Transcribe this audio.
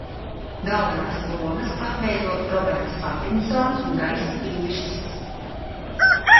Galvenās lomas atveido Roberts Patinsons un Gajs Pīrss.